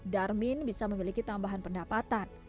darmin bisa memiliki tambahan pendapatan